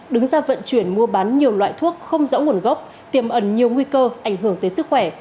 đứng ra vận chuyển mua bán nhiều loại thuốc không rõ nguồn gốc tiềm ẩn nhiều nguy cơ ảnh hưởng tới sức khỏe